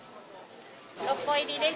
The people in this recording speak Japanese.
６個入りです。